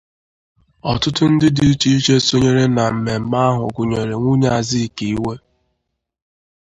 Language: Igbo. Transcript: Ọtụtụ ndị dị icheiche sonyere na mmemme ahụ gụnyèrè nwunye Azikiwe